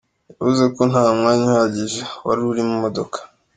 Yavuze ko "nta mwanya uhagije wari uri mu modoka.